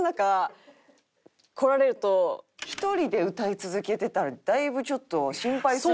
こんな１人で歌い続けてたらだいぶちょっと心配するもんな。